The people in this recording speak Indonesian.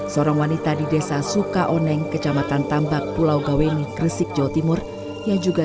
seorang wanita di desa suka oneng kecamatan tambak pulau gaweni gresik jawa timur yang juga